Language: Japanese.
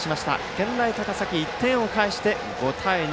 健大高崎、１点を返して５対２。